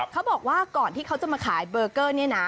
เขาบอกว่าก่อนที่เขาจะมาขายเบอร์เกอร์เนี่ยนะ